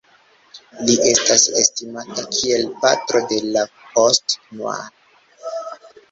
Li estas estimata kiel "patro de la "post-noir"".